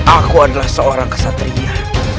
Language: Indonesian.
aku adalah seorang kesatria